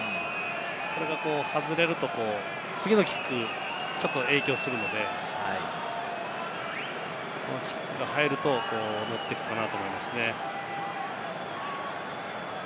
これが外れると、次のキック、ちょっと影響するので、このキックが入るとノッてくるかなと思いますね。